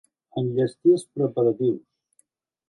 Enllestir els preparatius.